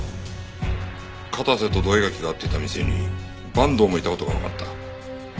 片瀬と土居垣が会ってた店に坂東もいた事がわかった。